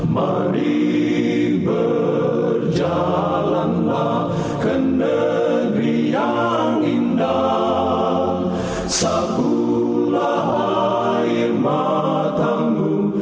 mari berjalan ke sion